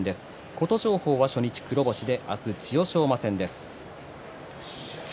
琴勝峰は初日黒星で明日は千代翔馬戦です。